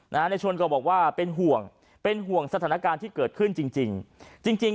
ในชวนก็บอกว่าเป็นห่วงเป็นห่วงสถานการณ์ที่เกิดขึ้นจริงจริง